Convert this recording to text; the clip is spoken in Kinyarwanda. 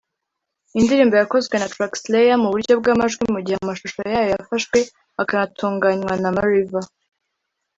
indirimbo yakozwe na Trackslayer mu buryo bw’amajwi mu gihe amashusho yayo yafashwe akanatungwanywa na Mariva